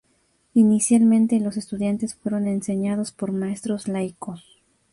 Inicialmente los estudiantes fueron enseñados por maestros laicos.